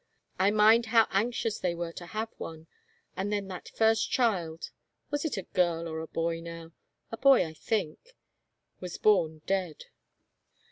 ... I mind how anxious they were to have one, and then that first child — was it a girl or a boy, now? A boy, I think — was born dead.